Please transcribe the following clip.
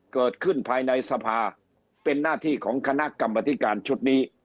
เกิดขึ้นภายในสภาเป็นหน้าที่ของคณะกรรมธิการชุดนี้